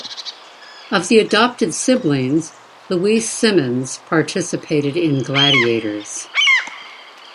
Of the adopted siblings, Louise Symonds participated in Gladiators.